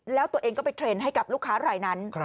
แล้วตัวเองก็ไปเทรนด์ให้กับลูกค้ารายนั้น